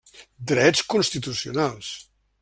Drets constitucionals.